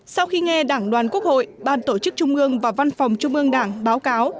sau khi nghe đảng đoàn quốc hội ban tổ chức trung ương và văn phòng trung ương đảng báo cáo